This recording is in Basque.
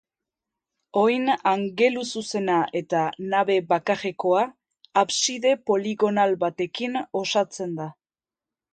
Oin angeluzuzena eta nabe bakarrekoa abside poligonal batekin osatzen da.